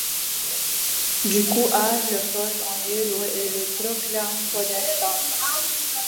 Du coup, Arles le porte en héros et le proclame podestat.